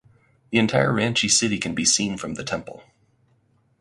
The entire Ranchi city can be seen from the temple.